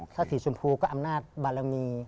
ถ้าสีชมพูก็อำนาจบารมี